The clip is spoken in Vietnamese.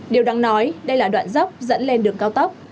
điều đáng nói đây là đoạn dốc dẫn lên đường cao tốc